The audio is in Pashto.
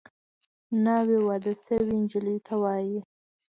ناوې واده شوې نجلۍ ته وايي